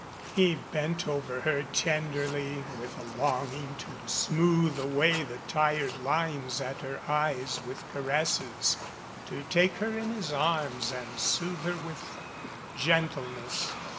He bent over her tenderly, with a longing to smooth away the tired lines at her eyes with caresses, to take her in his arms and soothe her with gentleness.